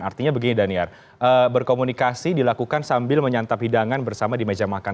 artinya begini daniar berkomunikasi dilakukan sambil menyantap hidangan bersama di meja makan